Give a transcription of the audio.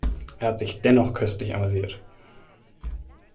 Er hat sich dennoch köstlich amüsiert.